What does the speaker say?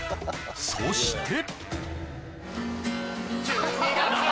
そして！